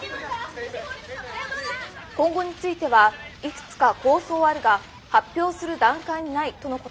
「今後については『いくつか構想はあるが発表する段階にない』とのことです」。